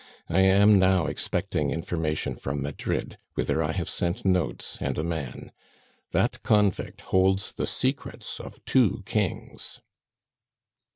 I am now expecting information from Madrid, whither I have sent notes and a man. That convict holds the secrets of two kings."